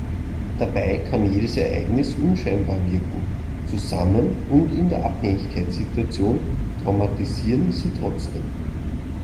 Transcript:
Dabei kann jedes Ereignis unscheinbar wirken, zusammen und in der Abhängigkeitssituation traumatisieren sie trotzdem.